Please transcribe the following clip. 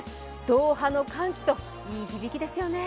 ドーハの歓喜といい響きですよね。